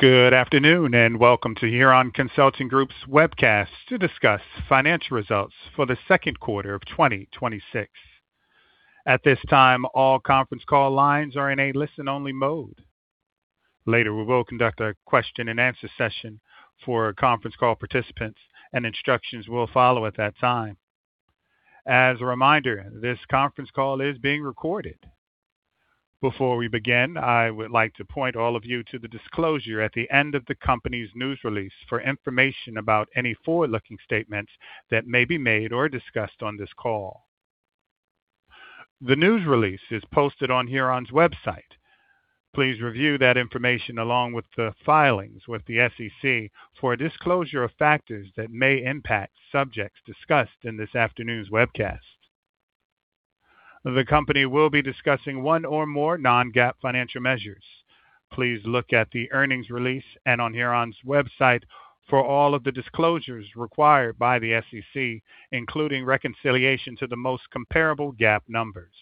Good afternoon, and welcome to Huron Consulting Group's webcast to discuss financial results for the second quarter of 2026. At this time, all conference call lines are in a listen-only mode. Later, we will conduct a question-and-answer session for conference call participants, and instructions will follow at that time. As a reminder, this conference call is being recorded. Before we begin, I would like to point all of you to the disclosure at the end of the company's news release for information about any forward-looking statements that may be made or discussed on this call. The news release is posted on Huron's website. Please review that information along with the filings with the SEC for a disclosure of factors that may impact subjects discussed in this afternoon's webcast. The company will be discussing one or more non-GAAP financial measures. Please look at the earnings release and on Huron's website for all of the disclosures required by the SEC, including reconciliation to the most comparable GAAP numbers.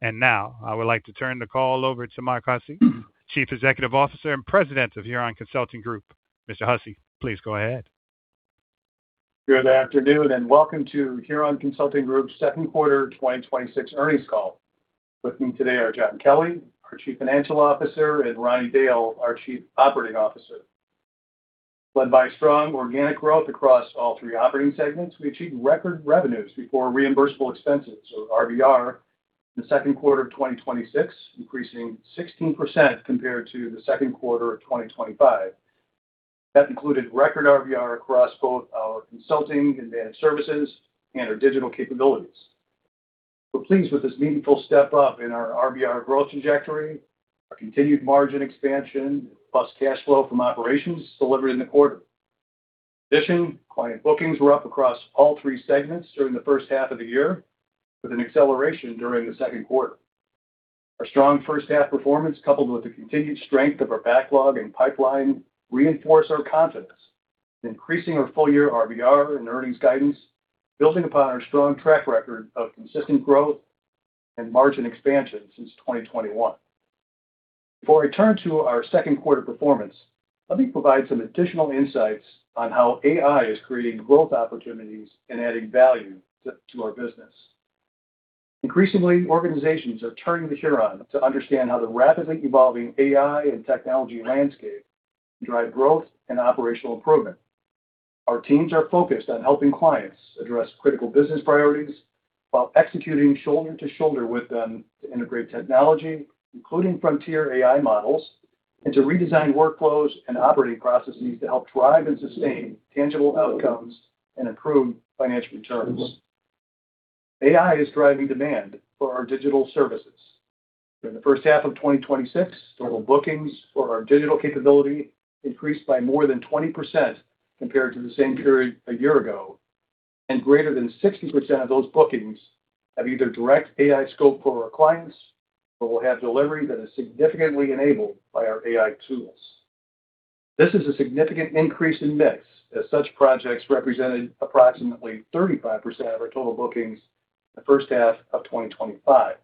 Now, I would like to turn the call over to Mark Hussey, Chief Executive Officer and President of Huron Consulting Group. Mr. Hussey, please go ahead. Good afternoon, and welcome to Huron Consulting Group's second quarter 2026 earnings call. With me today are John Kelly, our Chief Financial Officer, and Ronnie Dale, our Chief Operating Officer. Led by strong organic growth across all three operating segments, we achieved record revenues before reimbursable expenses or RBR in the second quarter of 2026, increasing 16% compared to the second quarter of 2025. That included record RBR across both our consulting, advanced services, and our digital capabilities. We're pleased with this meaningful step-up in our RBR growth trajectory, our continued margin expansion, plus cash flow from operations delivered in the quarter. In addition, client bookings were up across all three segments during the first half of the year, with an acceleration during the second quarter. Our strong first half performance, coupled with the continued strength of our backlog and pipeline, reinforce our confidence in increasing our full-year RBR and earnings guidance, building upon our strong track record of consistent growth and margin expansion since 2021. Before I turn to our second quarter performance, let me provide some additional insights on how AI is creating growth opportunities and adding value to our business. Increasingly, organizations are turning to Huron to understand how the rapidly evolving AI and technology landscape can drive growth and operational improvement. Our teams are focused on helping clients address critical business priorities while executing shoulder to shoulder with them to integrate technology, including frontier AI models, and to redesign workflows and operating processes to help drive and sustain tangible outcomes and improve financial returns. AI is driving demand for our digital services. During the first half of 2026, total bookings for our digital capability increased by more than 20% compared to the same period a year ago, and greater than 60% of those bookings have either direct AI scope for our clients or will have delivery that is significantly enabled by our AI tools. This is a significant increase in mix, as such projects represented approximately 35% of our total bookings in the first half of 2025.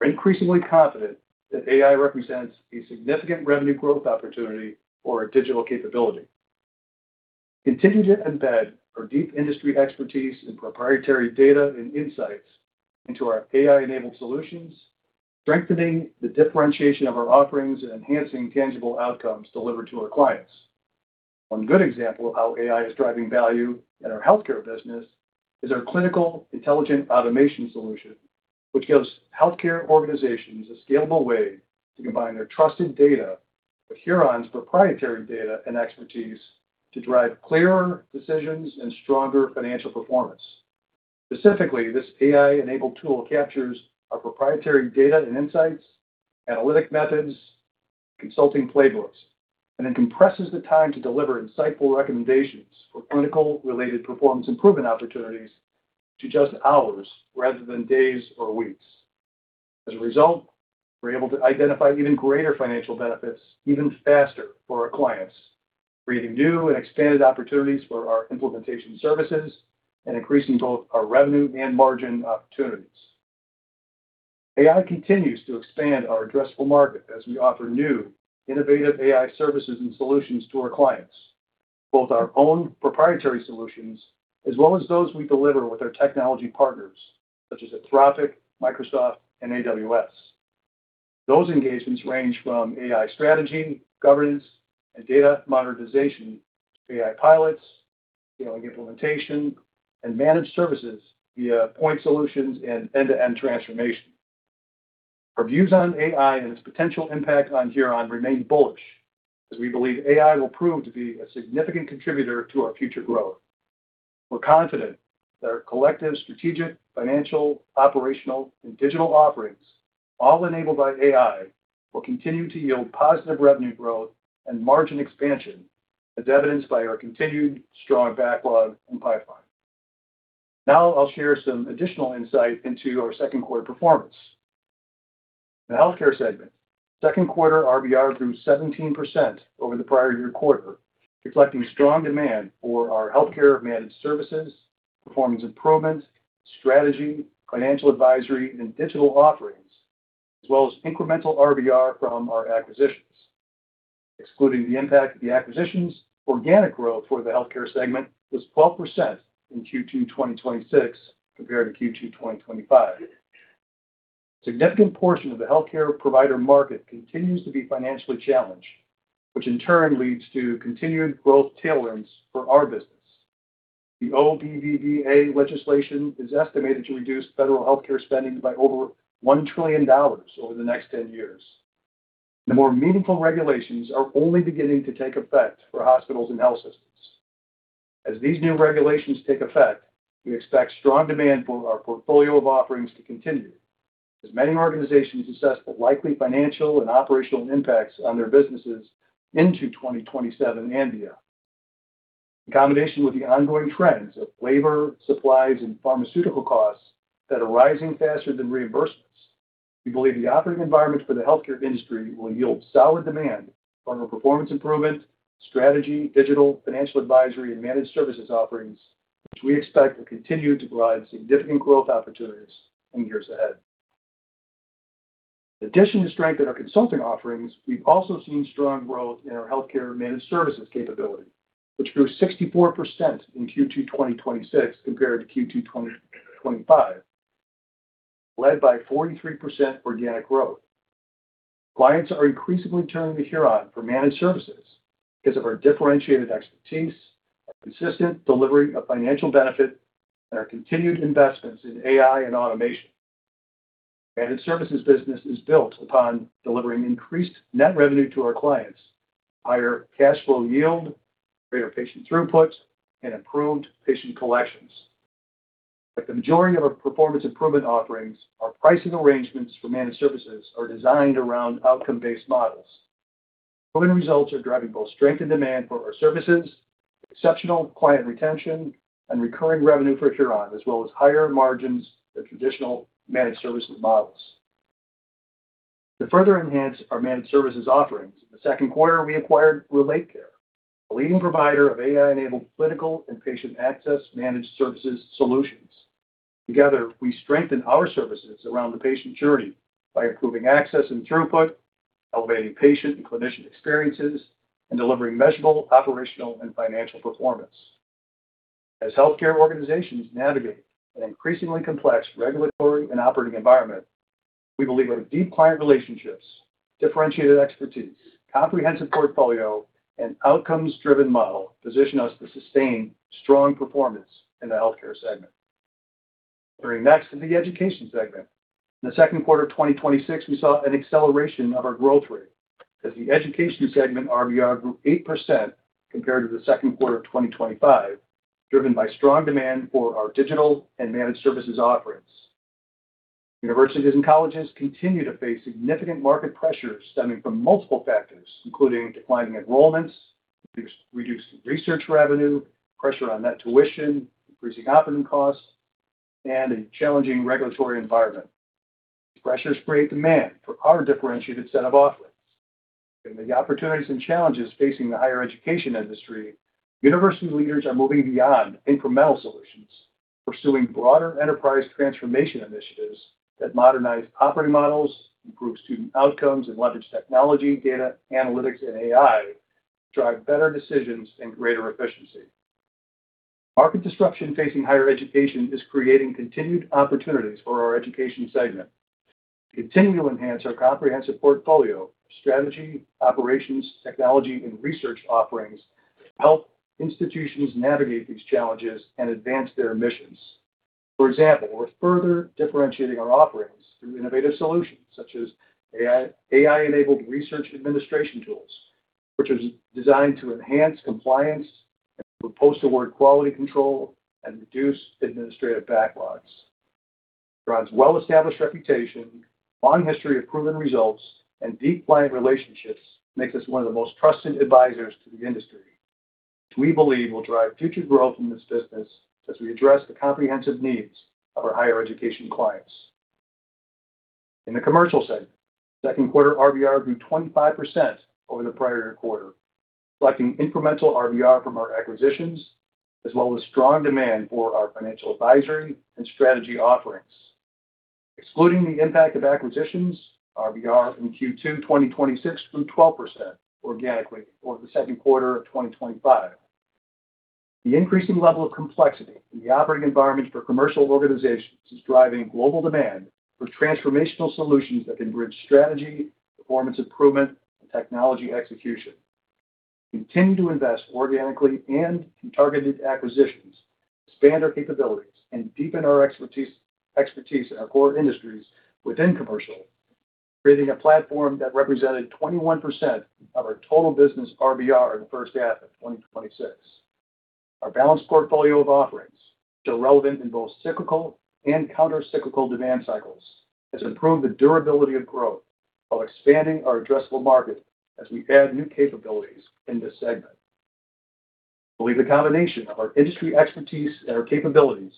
We are increasingly confident that AI represents a significant revenue growth opportunity for our digital capability. We continue to embed our deep industry expertise and proprietary data and insights into our AI-enabled solutions, strengthening the differentiation of our offerings and enhancing tangible outcomes delivered to our clients. One good example of how AI is driving value in our healthcare business is our clinical intelligent automation solution, which gives healthcare organizations a scalable way to combine their trusted data with Huron's proprietary data and expertise to drive clearer decisions and stronger financial performance. Specifically, this AI-enabled tool captures our proprietary data and insights, analytic methods, consulting playbooks, and it compresses the time to deliver insightful recommendations for clinical-related performance improvement opportunities to just hours rather than days or weeks. As a result, we are able to identify even greater financial benefits even faster for our clients, creating new and expanded opportunities for our implementation services and increasing both our revenue and margin opportunities. AI continues to expand our addressable market as we offer new, innovative AI services and solutions to our clients, both our own proprietary solutions, as well as those we deliver with our technology partners, such as Anthropic, Microsoft, and AWS. Those engagements range from AI strategy, governance, and data monetization to AI pilots, scaling implementation, and managed services via point solutions and end-to-end transformation. Our views on AI and its potential impact on Huron remain bullish, as we believe AI will prove to be a significant contributor to our future growth. We are confident that our collective strategic, financial, operational, and digital offerings, all enabled by AI, will continue to yield positive revenue growth and margin expansion, as evidenced by our continued strong backlog and pipeline. Now, I will share some additional insight into our second quarter performance. In the Healthcare segment, second quarter RBR grew 17% over the prior year quarter reflecting strong demand for our healthcare managed services, performance improvement, strategy, financial advisory, and digital offerings, as well as incremental RBR from our acquisitions. Excluding the impact of the acquisitions, organic growth for the Healthcare segment was 12% in Q2 2026 compared to Q2 2025. A significant portion of the healthcare provider market continues to be financially challenged, which in turn leads to continued growth tailwinds for our business. The One Big Beautiful Bill Act is estimated to reduce federal healthcare spending by over $1 trillion over the next 10 years. The more meaningful regulations are only beginning to take effect for hospitals and health systems. As these new regulations take effect, we expect strong demand for our portfolio of offerings to continue, as many organizations assess the likely financial and operational impacts on their businesses into 2027 and beyond. In combination with the ongoing trends of labor, supplies, and pharmaceutical costs that are rising faster than reimbursements, we believe the operating environment for the healthcare industry will yield solid demand from our performance improvement, strategy, digital, financial advisory, and managed services offerings, which we expect will continue to provide significant growth opportunities in years ahead. In addition to strength in our consulting offerings, we've also seen strong growth in our healthcare managed services capability, which grew 64% in Q2 2026 compared to Q2 2025, led by 43% organic growth. Clients are increasingly turning to Huron for managed services because of our differentiated expertise, our consistent delivery of financial benefit, and our continued investments in AI and automation. Managed services business is built upon delivering increased net revenue to our clients, higher cash flow yield, greater patient throughput, and improved patient collections. Like the majority of our performance improvement offerings, our pricing arrangements for managed services are designed around outcome-based models. Proven results are driving both strength and demand for our services, exceptional client retention, and recurring revenue for Huron, as well as higher margins than traditional managed services models. To further enhance our managed services offerings, in the second quarter, we acquired RelateCare, a leading provider of AI-enabled clinical and patient access managed services solutions. Together, we strengthen our services around the patient journey by improving access and throughput, elevating patient and clinician experiences, and delivering measurable operational and financial performance. As healthcare organizations navigate an increasingly complex regulatory and operating environment, we believe our deep client relationships, differentiated expertise, comprehensive portfolio, and outcomes-driven model position us to sustain strong performance in the Healthcare segment. Turning next to the Education segment. In the second quarter of 2026, we saw an acceleration of our growth rate as the Education segment RBR grew 8% compared to the second quarter of 2025, driven by strong demand for our digital and managed services offerings. Universities and colleges continue to face significant market pressures stemming from multiple factors, including declining enrollments, reduced research revenue, pressure on net tuition, increasing operating costs, and a challenging regulatory environment. These pressures create demand for our differentiated set of offerings. Given the opportunities and challenges facing the higher education industry, university leaders are moving beyond incremental solutions, pursuing broader enterprise transformation initiatives that modernize operating models, improve student outcomes, and leverage technology, data, analytics, and AI to drive better decisions and greater efficiency. Market disruption facing higher education is creating continued opportunities for our Education segment to continually enhance our comprehensive portfolio of strategy, operations, technology, and research offerings to help institutions navigate these challenges and advance their missions. For example, we're further differentiating our offerings through innovative solutions such as AI-enabled research administration tools, which is designed to enhance compliance and improve post-award quality control and reduce administrative backlogs. Huron's well-established reputation, long history of proven results, and deep client relationships makes us one of the most trusted advisors to the industry, which we believe will drive future growth in this business as we address the comprehensive needs of our higher education clients. In the Commercial segment, second quarter RBR grew 25% over the prior quarter, reflecting incremental RBR from our acquisitions, as well as strong demand for our financial advisory and strategy offerings. Excluding the impact of acquisitions, RBR from Q2 2026 grew 12% organically over the second quarter of 2025. The increasing level of complexity in the operating environment for commercial organizations is driving global demand for transformational solutions that can bridge strategy, performance improvement, and technology execution. We continue to invest organically and through targeted acquisitions to expand our capabilities and deepen our expertise in our core industries within commercial, creating a platform that represented 21% of our total business RBR in the first half of 2026. Our balanced portfolio of offerings, which are relevant in both cyclical and counter-cyclical demand cycles, has improved the durability of growth while expanding our addressable market as we add new capabilities in this segment. We believe the combination of our industry expertise and our capabilities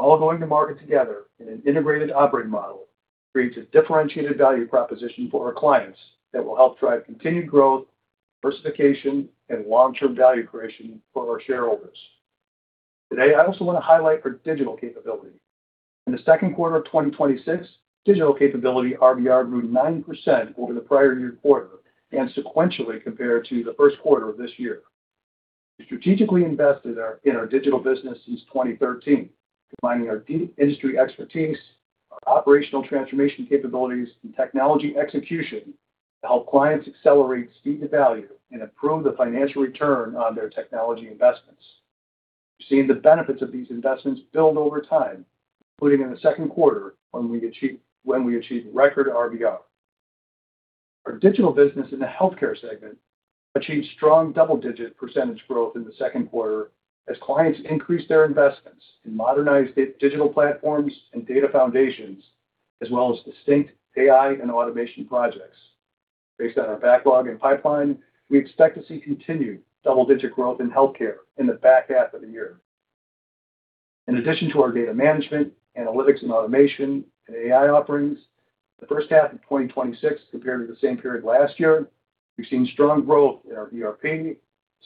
all going to market together in an integrated operating model creates a differentiated value proposition for our clients that will help drive continued growth, diversification, and long-term value creation for our shareholders. Today, I also want to highlight our digital capability. In the second quarter of 2026, digital capability RBR grew 9% over the prior year quarter and sequentially compared to the first quarter of this year. We strategically invested in our digital business since 2013, combining our deep industry expertise, our operational transformation capabilities, and technology execution to help clients accelerate speed to value and improve the financial return on their technology investments. We've seen the benefits of these investments build over time, including in the second quarter when we achieved record RBR. Our digital business in the Healthcare segment achieved strong double-digit percentage growth in the second quarter as clients increased their investments in modernized digital platforms and data foundations as well as distinct AI and automation projects. Based on our backlog and pipeline, we expect to see continued double-digit growth in healthcare in the back half of the year. In addition to our data management, analytics and automation, and AI offerings, the first half of 2026 compared to the same period last year, we've seen strong growth in our ERP,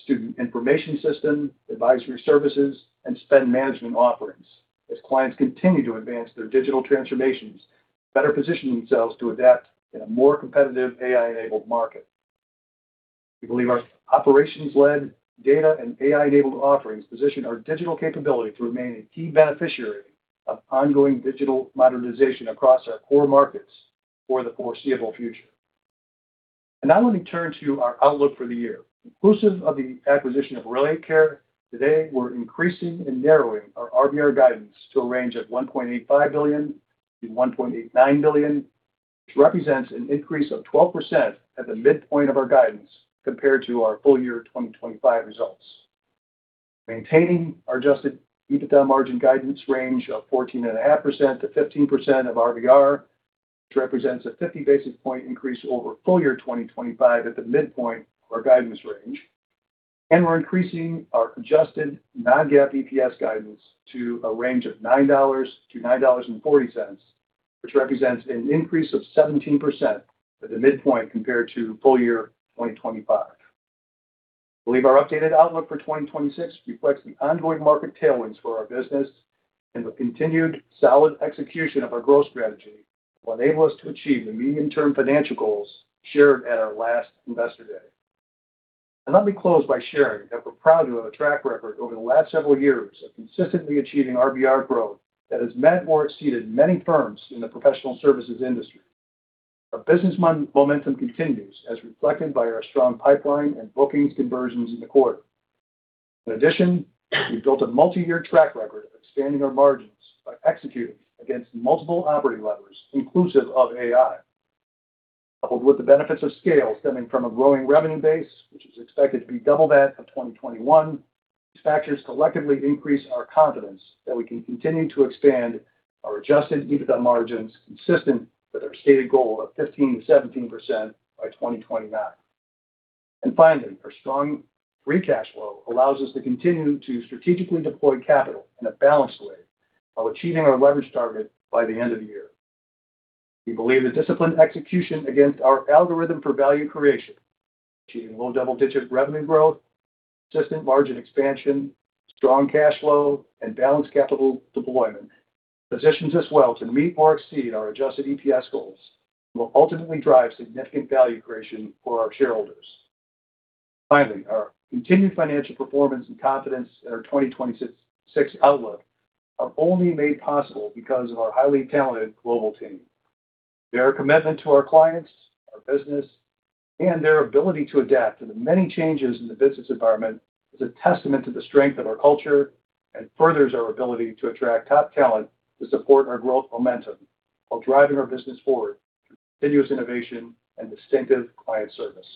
student information system, advisory services, and spend management offerings as clients continue to advance their digital transformations, better positioning themselves to adapt in a more competitive AI-enabled market. We believe our operations-led data and AI-enabled offerings position our digital capability to remain a key beneficiary of ongoing digital modernization across our core markets for the foreseeable future. Now let me turn to our outlook for the year. Inclusive of the acquisition of RelateCare, today we're increasing and narrowing our RBR guidance to a range of $1.85 billion-$1.89 billion, which represents an increase of 12% at the midpoint of our guidance compared to our full year 2025 results. Maintaining our adjusted EBITDA margin guidance range of 14.5%-15% of RBR, which represents a 50 basis point increase over full year 2025 at the midpoint of our guidance range. We're increasing our adjusted non-GAAP EPS guidance to a range of $9-$9.40, which represents an increase of 17% at the midpoint compared to full year 2025. We believe our updated outlook for 2026 reflects the ongoing market tailwinds for our business and the continued solid execution of our growth strategy will enable us to achieve the medium-term financial goals shared at our last Investor Day. Let me close by sharing that we're proud to have a track record over the last several years of consistently achieving RBR growth that has met or exceeded many firms in the professional services industry. Our business momentum continues, as reflected by our strong pipeline and bookings conversions in the quarter. In addition, we've built a multi-year track record of expanding our margins by executing against multiple operating levers, inclusive of AI. Coupled with the benefits of scale stemming from a growing revenue base, which is expected to be double that of 2021, these factors collectively increase our confidence that we can continue to expand our adjusted EBITDA margins consistent with our stated goal of 15%-17% by 2029. Finally, our strong free cash flow allows us to continue to strategically deploy capital in a balanced way while achieving our leverage target by the end of the year. We believe the disciplined execution against our algorithm for value creation, achieving low double-digit revenue growth, consistent margin expansion, strong cash flow, and balanced capital deployment positions us well to meet or exceed our adjusted EPS goals and will ultimately drive significant value creation for our shareholders. Finally, our continued financial performance and confidence in our 2026 outlook are only made possible because of our highly talented global team. Their commitment to our clients, our business, and their ability to adapt to the many changes in the business environment is a testament to the strength of our culture and furthers our ability to attract top talent to support our growth momentum while driving our business forward through continuous innovation and distinctive client service.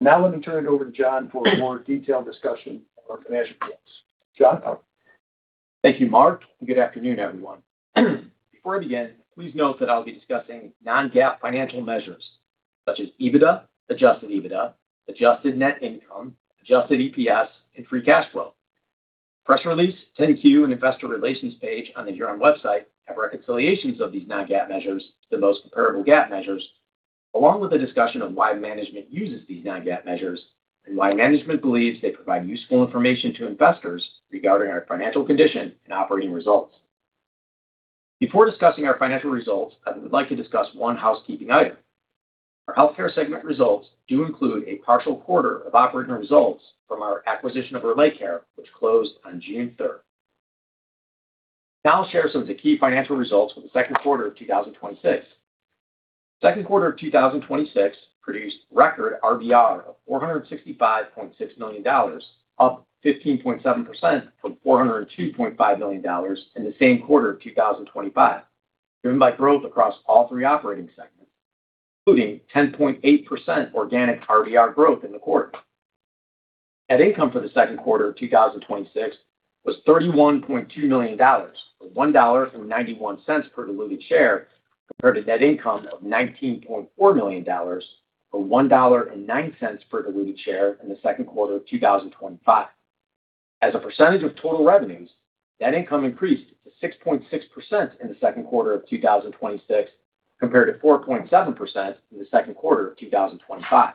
Now let me turn it over to John for a more detailed discussion of our financial results. John? Thank you, Mark, and good afternoon, everyone. Before I begin, please note that I'll be discussing non-GAAP financial measures such as EBITDA, adjusted EBITDA, adjusted net income, adjusted EPS, and free cash flow. Press release, 10-Q, and investor relations page on the Huron website have reconciliations of these non-GAAP measures to the most comparable GAAP measures, along with a discussion of why management uses these non-GAAP measures and why management believes they provide useful information to investors regarding our financial condition and operating results. Before discussing our financial results, I would like to discuss one housekeeping item. Our Healthcare segment results do include a partial quarter of operating results from our acquisition of RelateCare, which closed on June 3rd. Now I'll share some of the key financial results for the second quarter of 2026. Second quarter of 2026 produced record RBR of $465.6 million, up 15.7% from $402.5 million in the same quarter of 2025, driven by growth across all three operating segments, including 10.8% organic RBR growth in the quarter. Net income for the second quarter of 2026 was $31.2 million, or $1.91 per diluted share, compared to net income of $19.4 million, or $1.09 per diluted share in the second quarter of 2025. As a percentage of total revenues, net income increased to 6.6% in the second quarter of 2026, compared to 4.7% in the second quarter of 2025.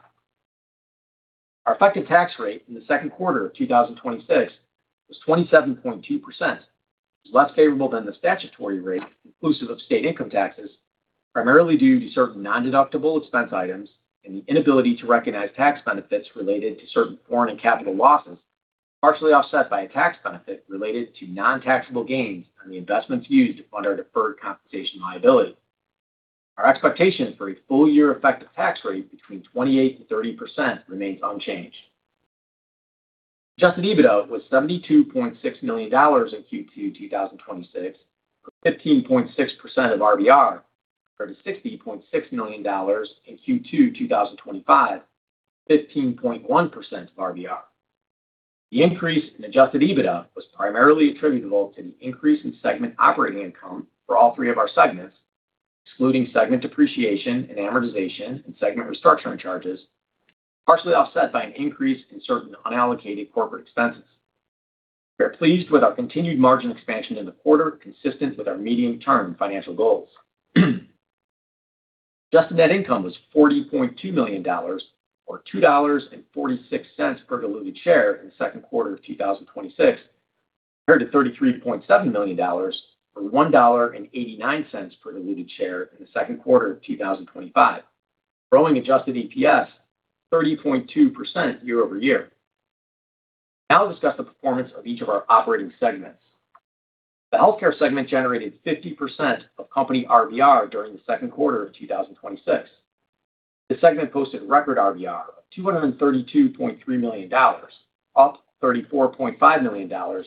Our effective tax rate in the second quarter of 2026 was 27.2%, less favorable than the statutory rate inclusive of state income taxes, primarily due to certain non-deductible expense items and the inability to recognize tax benefits related to certain foreign and capital losses, partially offset by a tax benefit related to non-taxable gains on the investments used to fund our deferred compensation liability. Our expectations for a full-year effective tax rate between 28%-30% remains unchanged. Adjusted EBITDA was $72.6 million in Q2 2026, for 15.6% of RBR, compared to $60.6 million in Q2 2025, 15.1% of RBR. The increase in adjusted EBITDA was primarily attributable to the increase in segment operating income for all three of our segments, excluding segment depreciation and amortization and segment restructuring charges, partially offset by an increase in certain unallocated corporate expenses. We are pleased with our continued margin expansion in the quarter consistent with our medium-term financial goals. Adjusted net income was $40.2 million, or $2.46 per diluted share in the second quarter of 2026, compared to $33.7 million, or $1.89 per diluted share in the second quarter of 2025, growing adjusted EPS 30.2% year-over-year. I'll discuss the performance of each of our operating segments. The Healthcare segment generated 50% of company RBR during the second quarter of 2026. The segment posted record RBR of $232.3 million, up $34.5 million,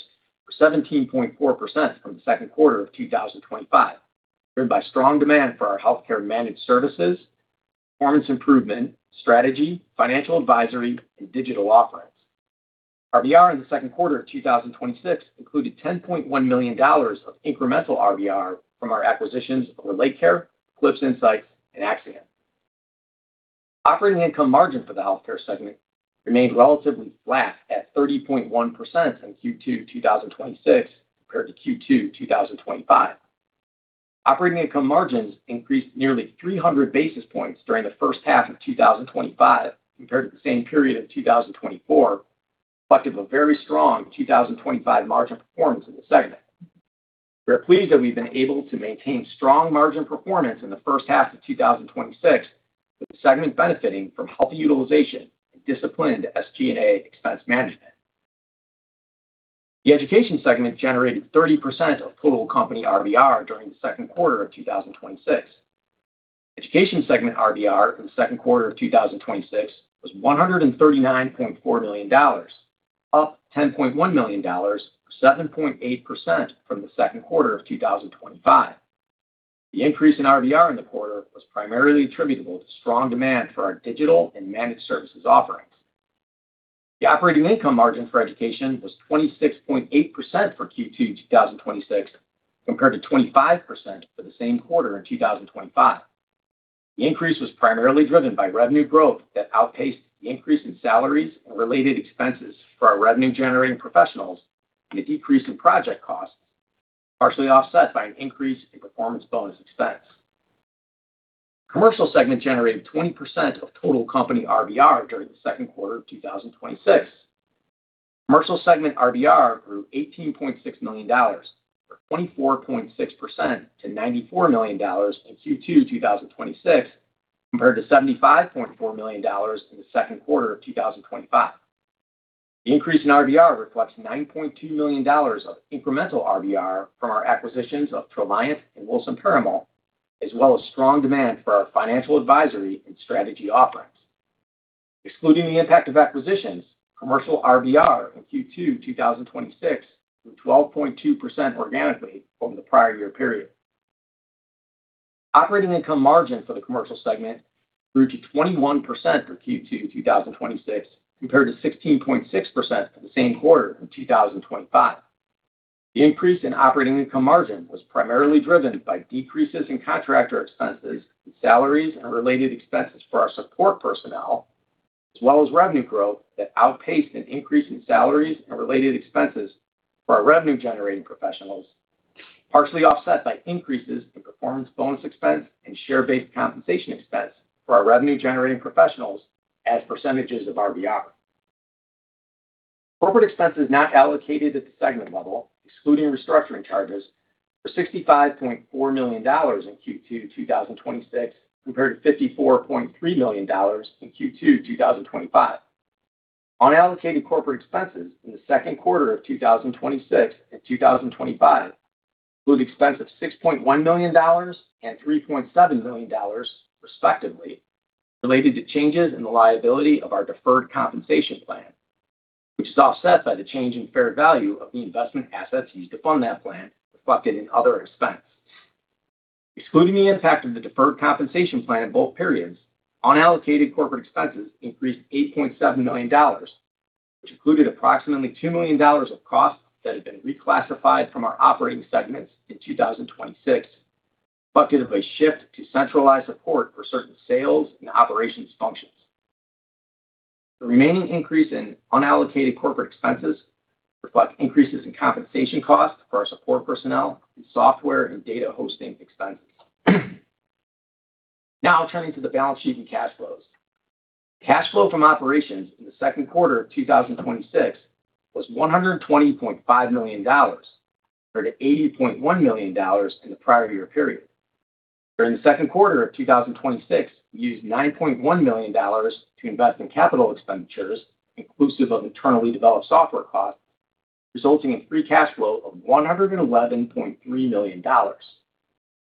or 17.4% from the second quarter of 2025, driven by strong demand for our healthcare managed services, performance improvement, strategy, financial advisory, and digital offerings. RBR in the second quarter of 2026 included $10.1 million of incremental RBR from our acquisitions of RelateCare, Eclipse Insights, and AXIOM Systems. Operating income margin for the Healthcare segment remained relatively flat at 30.1% in Q2 2026 compared to Q2 2025. Operating income margins increased nearly 300 basis points during the first half of 2025 compared to the same period of 2024, reflective of very strong 2025 margin performance in the segment. We are pleased that we've been able to maintain strong margin performance in the first half of 2026, with the segment benefiting from healthy utilization and disciplined SG&A expense management. The Education segment generated 30% of total company RBR during the second quarter of 2026. Education segment RBR for the second quarter of 2026 was $139.4 million, up $10.1 million, or 7.8% from the second quarter of 2025. The increase in RBR in the quarter was primarily attributable to strong demand for our digital and managed services offerings. The operating income margin for education was 26.8% for Q2 2026, compared to 25% for the same quarter in 2025. The increase was primarily driven by revenue growth that outpaced the increase in salaries and related expenses for our revenue-generating professionals and a decrease in project costs, partially offset by an increase in performance bonus expense. Commercial segment generated 20% of total company RBR during the second quarter of 2026. Commercial segment RBR grew $18.6 million, or 24.6% to $94 million in Q2 2026, compared to $75.4 million in the second quarter of 2025. The increase in RBR reflects $9.2 million of incremental RBR from our acquisitions of Treliant and Wilson Perumal, as well as strong demand for our financial advisory and strategy offerings. Excluding the impact of acquisitions, commercial RBR in Q2 2026 grew 12.2% organically from the prior year period. Operating income margin for the Commercial segment grew to 21% for Q2 2026, compared to 16.6% for the same quarter in 2025. The increase in operating income margin was primarily driven by decreases in contractor expenses and salaries and related expenses for our support personnel, as well as revenue growth that outpaced an increase in salaries and related expenses for our revenue-generating professionals, partially offset by increases in performance bonus expense and share-based compensation expense for our revenue-generating professionals as percentages of RBR. Corporate expenses not allocated at the segment level, excluding restructuring charges, were $65.4 million in Q2 2026, compared to $54.3 million in Q2 2025. Unallocated corporate expenses in the second quarter of 2026 and 2025 include expense of $6.1 million and $3.7 million, respectively, related to changes in the liability of our deferred compensation plan, which is offset by the change in fair value of the investment assets used to fund that plan, reflected in other expense. Excluding the impact of the deferred compensation plan in both periods, unallocated corporate expenses increased $8.7 million, which included approximately $2 million of costs that had been reclassified from our operating segments in 2026, reflective of a shift to centralized support for certain sales and operations functions. The remaining increase in unallocated corporate expenses reflect increases in compensation costs for our support personnel in software and data hosting expenses. Now turning to the balance sheet and cash flows. Cash flow from operations in the second quarter of 2026 was $120.5 million, compared to $80.1 million in the prior year period. During the second quarter of 2026, we used $9.1 million to invest in capital expenditures, inclusive of internally developed software costs, resulting in free cash flow of $111.3 million.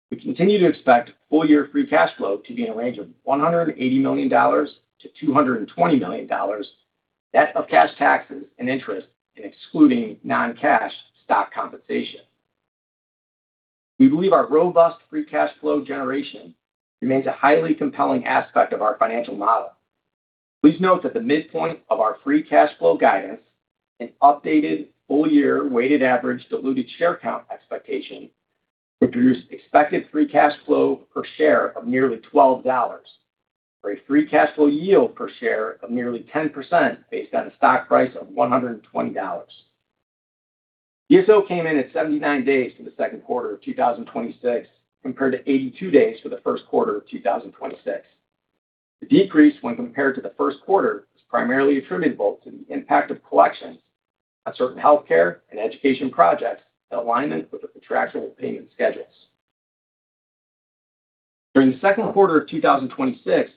We continue to expect full year free cash flow to be in a range of $180 million-$220 million, net of cash taxes and interest, and excluding non-cash stock compensation. We believe our robust free cash flow generation remains a highly compelling aspect of our financial model. Please note that the midpoint of our free cash flow guidance and updated full year weighted average diluted share count expectation would produce expected free cash flow per share of nearly $12, or a free cash flow yield per share of nearly 10%, based on a stock price of $120. DSO came in at 79 days for the second quarter of 2026, compared to 82 days for the first quarter of 2026. The decrease when compared to the first quarter is primarily attributable to the impact of collections on certain Healthcare and Education projects in alignment with the contractual payment schedules. During the second quarter of 2026,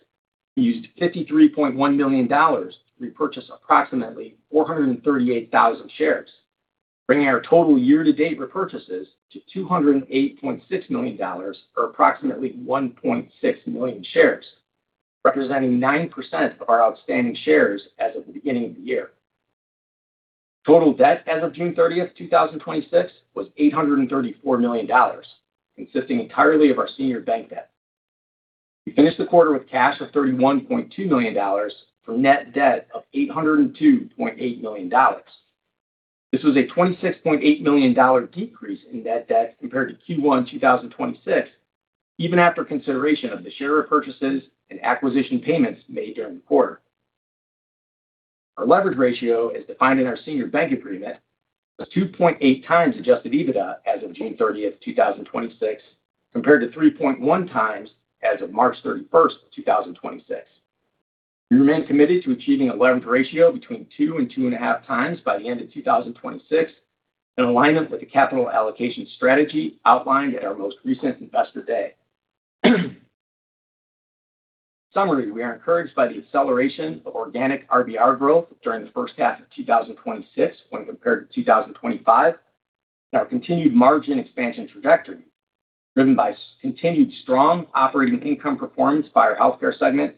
we used $53.1 million to repurchase approximately 438,000 shares, bringing our total year-to-date repurchases to $208.6 million, or approximately 1.6 million shares, representing 9% of our outstanding shares as of the beginning of the year. Total debt as of June 30th, 2026, was $834 million, consisting entirely of our senior bank debt. We finished the quarter with cash of $31.2 million for net debt of $802.8 million. This was a $26.8 million decrease in net debt compared to Q1 2026, even after consideration of the share repurchases and acquisition payments made during the quarter. Our leverage ratio, as defined in our senior bank agreement, was 2.8x adjusted EBITDA as of June 30th, 2026, compared to 3.1x as of March 31st, 2026. We remain committed to achieving a leverage ratio between 2 and 2.5x By the end of 2026, in alignment with the capital allocation strategy outlined at our most recent Investor Day. In summary, we are encouraged by the acceleration of organic RBR growth during the first half of 2026 when compared to 2025, and our continued margin expansion trajectory, driven by continued strong operating income performance by our Healthcare segment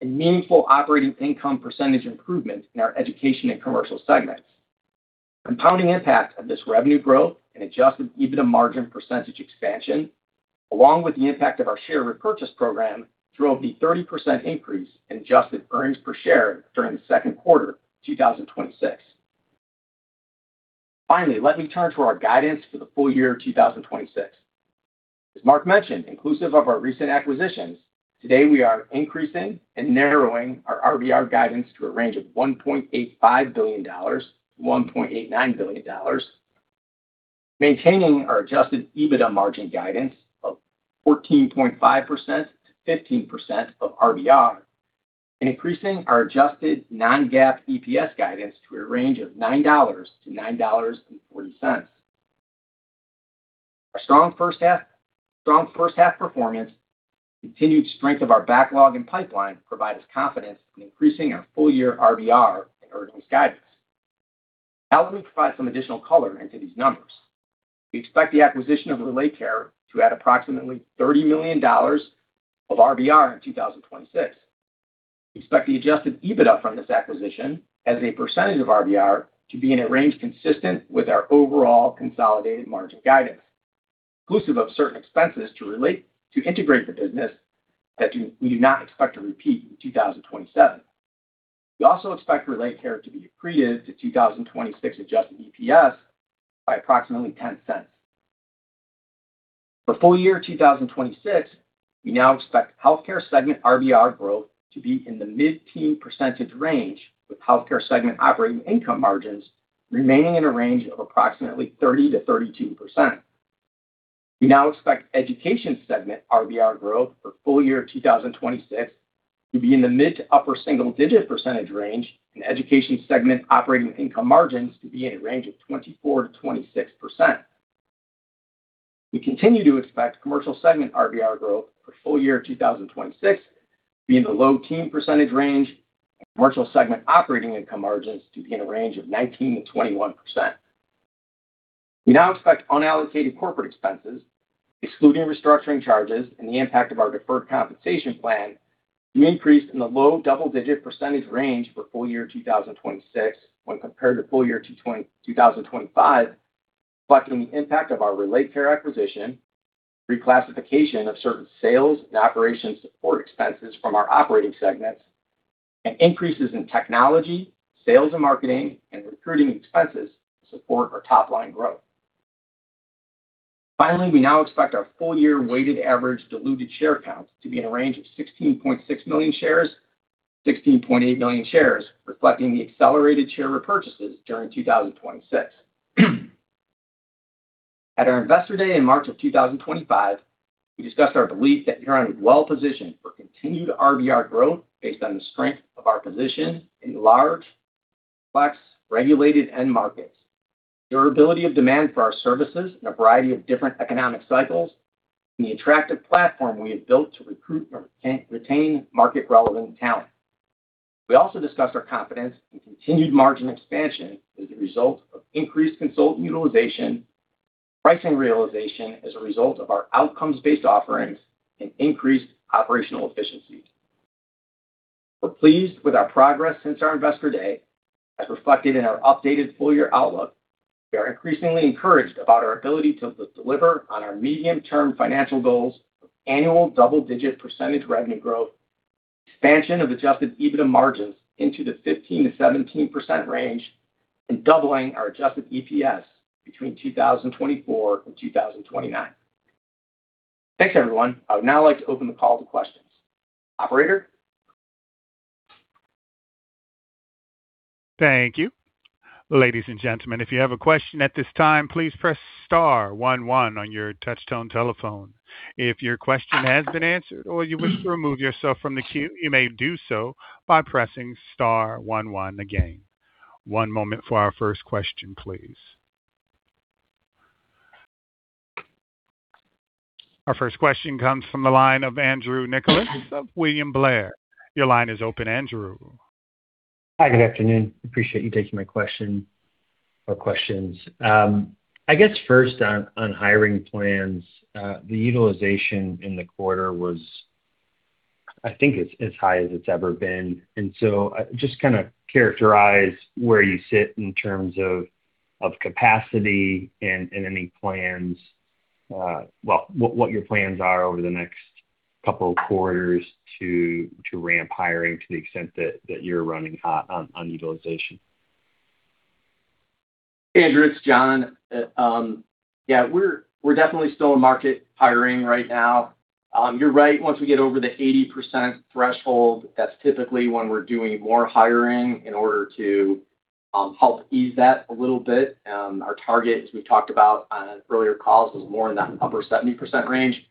and meaningful operating income percentage improvement in our Education and Commercial segments. The compounding impact of this revenue growth and adjusted EBITDA margin percentage expansion, along with the impact of our share repurchase program, drove the 30% increase in adjusted earnings per share during the second quarter of 2026. Let me turn to our guidance for the full year of 2026. As Mark mentioned, inclusive of our recent acquisitions, today we are increasing and narrowing our RBR guidance to a range of $1.85 billion-$1.89 billion, maintaining our adjusted EBITDA margin guidance of 14.5%-15% of RBR, and increasing our adjusted non-GAAP EPS guidance to a range of $9-$9.40. Our strong first half performance and continued strength of our backlog and pipeline provide us confidence in increasing our full year RBR and earnings guidance. Let me provide some additional color into these numbers. We expect the acquisition of RelateCare to add approximately $30 million of RBR in 2026. We expect the adjusted EBITDA from this acquisition as a percentage of RBR to be in a range consistent with our overall consolidated margin guidance, inclusive of certain expenses to integrate the business that we do not expect to repeat in 2027. We also expect RelateCare to be accretive to 2026 adjusted EPS by approximately $0.10. For full year 2026, we now expect Healthcare segment RBR growth to be in the mid-teen percentage range, with Healthcare segment operating income margins remaining in a range of approximately 30%-32%. We now expect Education segment RBR growth for full year 2026 to be in the mid to upper single-digit percentage range, and Education segment operating income margins to be in a range of 24%-26%. We continue to expect Commercial segment RBR growth for full year 2026 to be in the low-teen percentage range, and Commercial segment operating income margins to be in a range of 19%-21%. We now expect unallocated corporate expenses, excluding restructuring charges and the impact of our deferred compensation plan. The increase in the low double-digit percentage range for full year 2026 when compared to full year 2025, reflecting the impact of our RelateCare acquisition, reclassification of certain sales and operation support expenses from our operating segments, and increases in technology, sales and marketing, and recruiting expenses to support our top-line growth. Finally, we now expect our full-year weighted average diluted share count to be in a range of 16.6 million shares-16.8 million shares, reflecting the accelerated share repurchases during 2026. At our Investor Day in March of 2025, we discussed our belief that Huron is well-positioned for continued RBR growth based on the strength of our position in large, complex, regulated end markets, durability of demand for our services in a variety of different economic cycles, and the attractive platform we have built to recruit or retain market-relevant talent. We also discussed our confidence in continued margin expansion as a result of increased consultant utilization, pricing realization as a result of our outcomes-based offerings, and increased operational efficiencies. We're pleased with our progress since our Investor Day. As reflected in our updated full-year outlook, we are increasingly encouraged about our ability to deliver on our medium-term financial goals of annual double-digit percentage revenue growth, expansion of adjusted EBITDA margins into the 15%-17% range, and doubling our adjusted EPS between 2024 and 2029. Thanks, everyone. I would now like to open the call to questions. Operator? Thank you. Ladies and gentlemen, if you have a question at this time, please press star one one on your touch-tone telephone. If your question has been answered or you wish to remove yourself from the queue, you may do so by pressing star one one again. One moment for our first question, please. Our first question comes from the line of Andrew Nicholas of William Blair. Your line is open, Andrew. Hi, good afternoon. Appreciate you taking my question or questions. I guess first on hiring plans, the utilization in the quarter was, I think, as high as it's ever been. Just kind of characterize where you sit in terms of capacity and any plans. Well, what your plans are over the next couple of quarters to ramp hiring to the extent that you're running on utilization. Andrew, it's John. We're definitely still in market hiring right now. You're right. Once we get over the 80% threshold, that's typically when we're doing more hiring in order to help ease that a little bit. Our target, as we talked about on earlier calls, was more in that upper 70% range.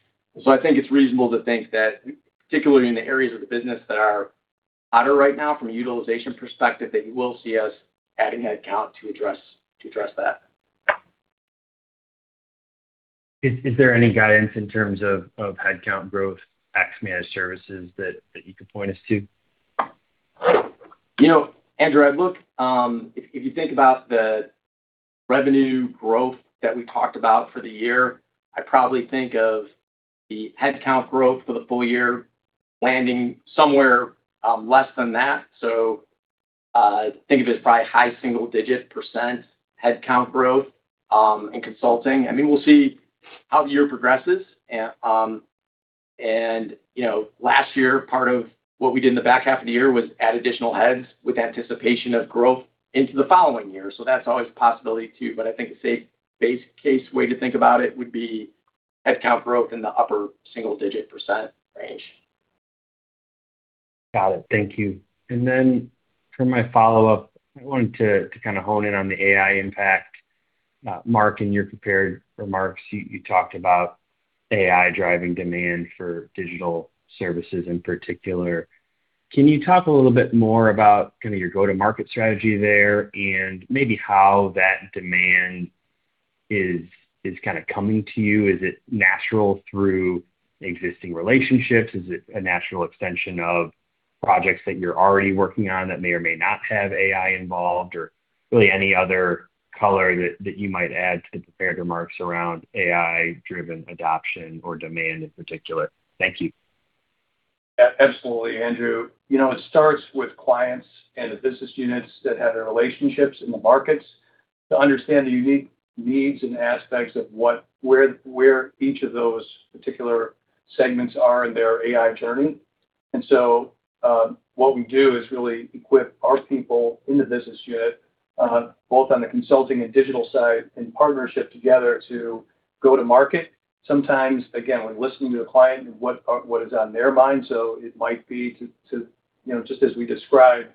I think it's reasonable to think that particularly in the areas of the business that are hotter right now from a utilization perspective, that you will see us adding headcount to address that. Is there any guidance in terms of headcount growth ex managed services that you could point us to? Andrew, if you think about the revenue growth that we talked about for the year, I'd probably think of the headcount growth for the full year landing somewhere less than that. Think of it as probably high single-digit percent headcount growth in consulting. I mean, we'll see how the year progresses. Last year, part of what we did in the back half of the year was add additional heads with anticipation of growth into the following year. That's always a possibility, too. I think a safe base case way to think about it would be headcount growth in the upper single-digit percent range. Got it. Thank you. For my follow-up, I wanted to kind of hone in on the AI impact. Mark, in your prepared remarks, you talked about AI driving demand for digital services in particular. Can you talk a little bit more about kind of your go-to-market strategy there and maybe how that demand is kind of coming to you? Is it natural through existing relationships? Is it a natural extension of projects that you're already working on that may or may not have AI involved? Really any other color that you might add to the prepared remarks around AI-driven adoption or demand in particular. Thank you. Absolutely, Andrew. It starts with clients and the business units that have the relationships in the markets to understand the unique needs and aspects of where each of those particular segments are in their AI journey. What we do is really equip our people in the business unit, both on the consulting and digital side, in partnership together to go to market. Sometimes, again, we're listening to the client and what is on their mind. It might be to, just as we described,